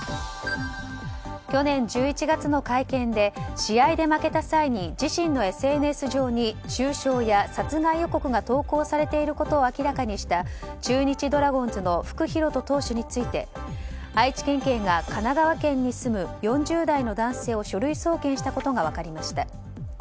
去年１１月の会見で試合で負けた際に自身のＳＮＳ上に中傷や殺害予告が投稿されていることを明らかにした中日ドラゴンズの福敬登投手について愛知県警が神奈川県に住む４０代の男性を書類送検したことが分かりました。